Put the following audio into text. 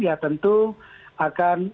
ya tentu akan